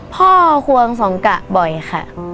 ควงสองกะบ่อยค่ะ